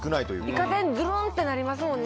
イカ天ズルン！ってなりますもんね